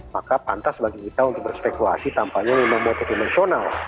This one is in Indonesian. maka pantas bagi kita untuk berspekulasi tanpa menilai motif emosional